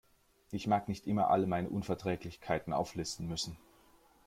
Ich mag nicht immer alle meine Unverträglichkeiten auflisten müssen.